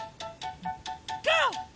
ゴー！